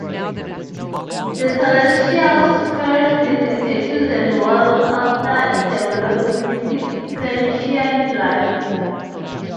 The Celestials first visit a chosen world after it develops primitive sentient life.